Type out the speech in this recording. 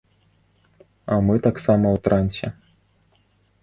Мы таксама ў трансе!